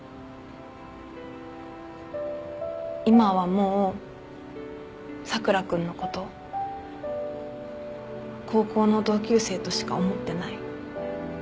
今はもう佐倉君のこと高校の同級生としか思ってない。